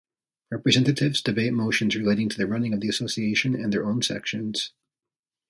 Representatives debate motions relating to the running of the association and their own sections.